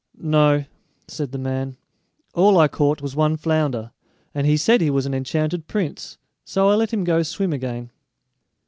"No," said the man; "all I caught was one flounder, and he said he was an enchanted prince, so I let him go swim again."